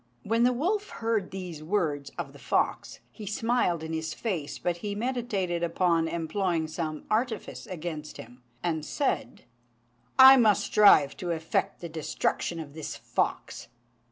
'" When the wolf heard these words of the fox, he smiled in his face; but he meditated upon employing some artifice against him, and said, "I must strive to effect the destruction of this fox."